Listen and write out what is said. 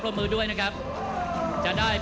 ท่านแรกครับจันทรุ่ม